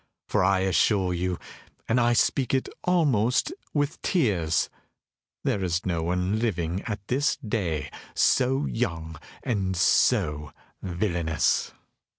For I assure you and I speak it almost with tears there is no one living at this day so young and so villainous."